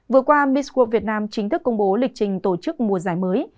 vừa qua miss world việt nam chính thức công bố lịch trình tổ chức mùa giải mới